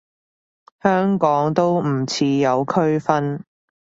香港都唔似有區分